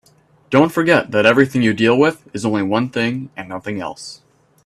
Don't forget that everything you deal with is only one thing and nothing else.